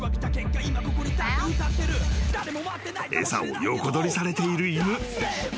［餌を横取りされている犬。